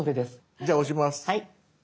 じゃあ押します。